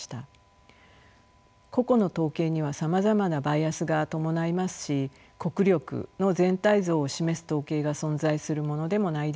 個々の統計にはさまざまなバイアスが伴いますし国力の全体像を示す統計が存在するものでもないでしょう。